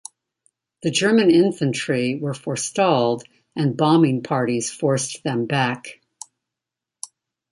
The German infantry were forestalled and bombing parties forced them back.